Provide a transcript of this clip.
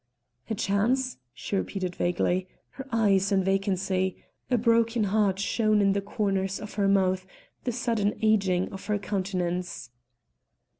"A chance?" she repeated vaguely, her eyes in vacancy, a broken heart shown in the corners of her mouth, the sudden aging of her countenance.